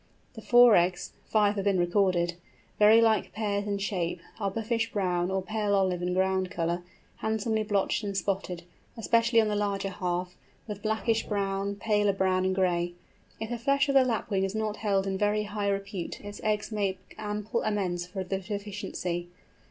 The four eggs (five have been recorded!) very like pears in shape, are buffish brown or pale olive in ground colour, handsomely blotched and spotted, especially on the larger half, with blackish brown, paler brown, and gray. If the flesh of the Lapwing is not held in very high repute its eggs make ample amends for the deficiency.